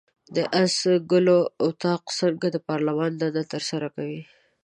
د آس ګلو اطاق څنګه د پارلمان دنده ترسره کوي؟